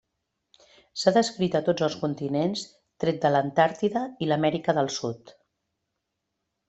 S'ha descrit a tots els continents tret de l'Antàrtida i l'Amèrica del Sud.